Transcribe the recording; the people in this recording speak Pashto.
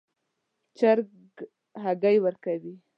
چرګ هګۍ ورکوي